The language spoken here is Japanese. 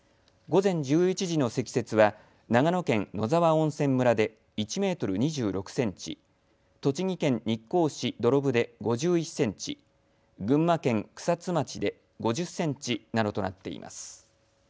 午前１１時の積雪は長野県野沢温泉村で１メートル２６センチ、栃木県日光市土呂部で５１センチ、群馬県草津町で５０センチなどとなっています。